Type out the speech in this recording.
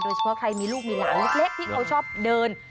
เฉพาะใครมีลูกมีหลานเล็กที่เขาชอบเดิน